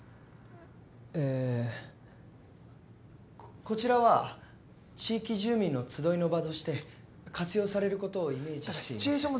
えこちらは地域住民の集いの場として活用されることをイメージしています。